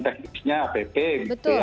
dan teknisnya pp gitu ya